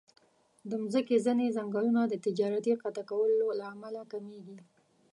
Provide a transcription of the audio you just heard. د مځکې ځینې ځنګلونه د تجارتي قطع کولو له امله کمېږي.